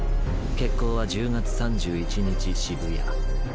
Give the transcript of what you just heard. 決行は１０月３１日渋谷。